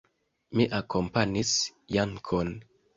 Mi akompanis Jankon.